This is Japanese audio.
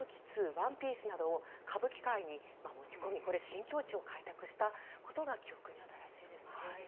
「ワンピース」などを歌舞伎界に持ち込み新境地を開拓したことが記憶に新しいですね。